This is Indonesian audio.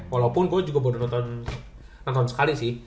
walaupun gue juga baru nonton sekali sih